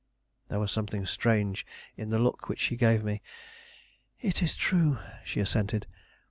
There was something strange in the look which she gave me. "It is true," she assented.